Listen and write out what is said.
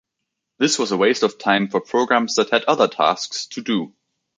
This was a waste of time for programs that had other tasks to do.